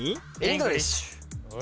イングリッシュ。